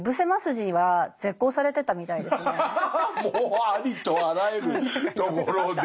もうありとあらゆるところで。